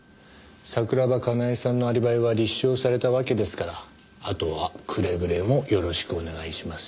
桜庭かなえさんのアリバイは立証されたわけですからあとはくれぐれもよろしくお願いしますよ。